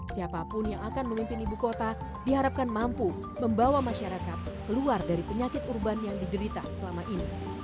siapapun yang akan memimpin ibu kota diharapkan mampu membawa masyarakat keluar dari penyakit urban yang diderita selama ini